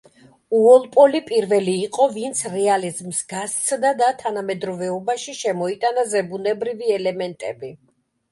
უოლპოლი პირველი იყო, ვინც რეალიზმს გასცდა და თანამედროვეობაში შემოიტანა ზებუნებრივი ელემენტები.